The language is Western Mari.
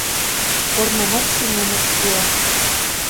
Корны мыч Семенов кеӓ